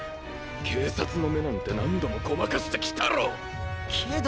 警察の目なんて何度もごまかしてきたろ⁉けど。